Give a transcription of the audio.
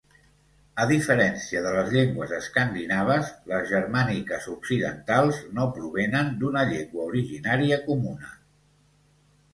A diferència de les llengües escandinaves, les germàniques occidentals no provenen d'una llengua originària comuna.